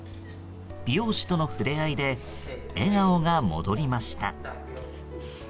美容師とのふれあいで笑顔が戻りました。